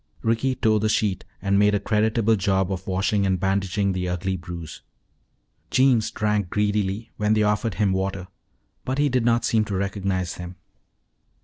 Ricky tore the sheet and made a creditable job of washing and bandaging the ugly bruise. Jeems drank greedily when they offered him water but he did not seem to recognize them.